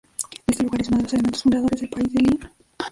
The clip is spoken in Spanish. Este lugar es uno de los elementos fundadores del país de Lyon.